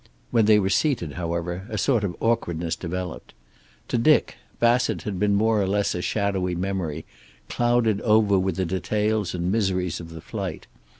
When they were seated, however, a sort of awkwardness developed. To Dick, Bassett had been a more or less shadowy memory, clouded over with the details and miseries of the flight.